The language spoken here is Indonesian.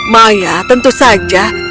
maya tentu saja